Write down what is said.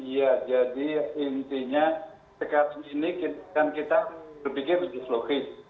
ya jadi intinya sekat ini kita berpikir lebih logis